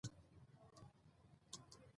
پسرلی د افغانستان د ځایي اقتصادونو بنسټ دی.